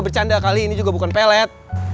bercanda kali ini juga bukan pelet